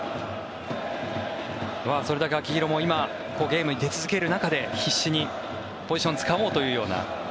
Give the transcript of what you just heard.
それだけ秋広もゲームに出続ける中で必死にポジションをつかもうというような。